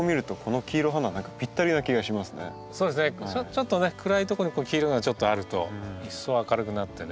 ちょっとね暗いとこにこういう黄色いのがちょっとあると一層明るくなってね